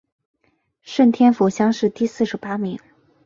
顺天府乡试第四十八名。